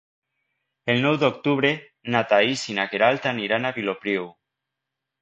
El nou d'octubre na Thaís i na Queralt aniran a Vilopriu.